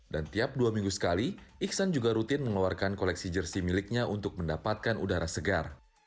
dan tiap dua minggu sekali iksan juga rutin mengeluarkan koleksi jersi miliknya untuk mendapatkan udara segar